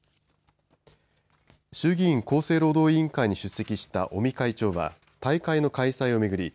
衆議院厚生労働委員会に出席した尾身会長は大会の開催を巡り